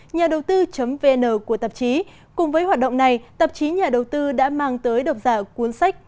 nhà đầu tư vn của tạp chí cùng với hoạt động này tạp chí nhà đầu tư đã mang tới độc giả cuốn sách